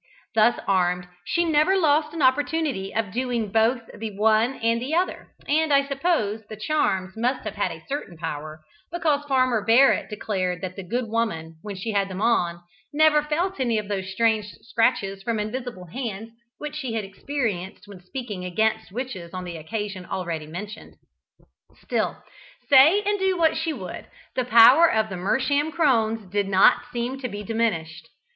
Thus armed, she never lost an opportunity of doing both the one and the other; and I suppose the charms must have had a certain power, because Farmer Barrett declared that the good woman, when she had them on, never felt any of those strange scratches from invisible hands which she had experienced when speaking against witches on the occasion already mentioned. Still, say and do what she would, the power of the Mersham crones did not seem to be diminished.